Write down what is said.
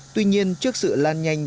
tuy nhiên trước sự lan nhanh